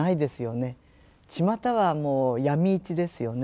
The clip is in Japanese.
ちまたはもう闇市ですよね。